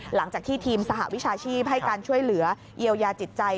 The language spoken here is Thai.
หลังจากที่ทีมสหวิชาชีพให้การช่วยเหลือเยียวยาจิตใจ